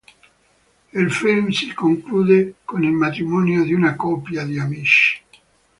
Il film si conclude con il matrimonio di una coppia di amici.